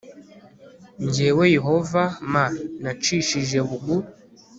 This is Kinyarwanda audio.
jyewe yehova m nacishije bugu